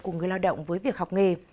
của người lao động với việc học nghề